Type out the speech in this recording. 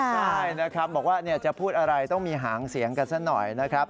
ใช่นะครับบอกว่าจะพูดอะไรต้องมีหางเสียงกันซะหน่อยนะครับ